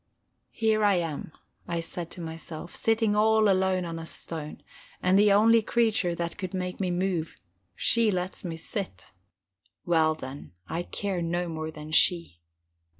Here I am, I said to myself, sitting all alone on a stone, and the only creature that could make me move, she lets me sit. Well, then, I care no more than she.